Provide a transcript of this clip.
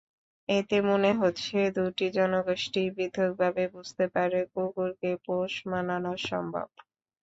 এতে মনে হচ্ছে, দুটি জনগোষ্ঠীই পৃথকভাবে বুঝতে পারে কুকুরকে পোষ মানানো সম্ভব।